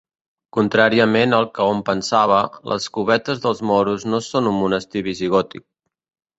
Contràriament al que hom pensava, les Covetes dels Moros no són un monestir visigòtic.